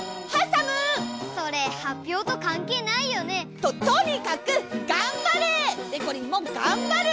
それはっぴょうとかんけいないよね？ととにかくがんばれ！でこりんもがんばる！